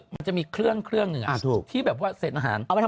มันจะมีเครื่องหนึ่งที่แบบว่าเสร็จอาหาร